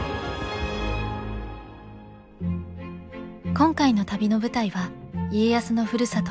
今回の旅の舞台は家康のふるさと